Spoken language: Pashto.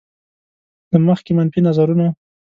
له مخکې منفي نظرونه.